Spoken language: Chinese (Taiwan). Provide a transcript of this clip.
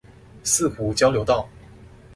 四湖交流道